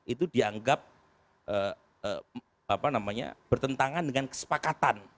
itu dianggap bertentangan dengan kesepakatan